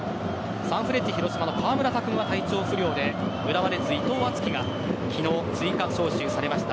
サンフレッチェ広島の川村拓夢が体調不良で浦和レッズ・伊藤敦樹が昨日、追加招集されました。